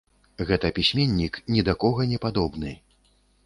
Гэта пісьменнік, ні да кога не падобны.